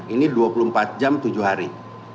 ini dua puluh empat jam tujuh hari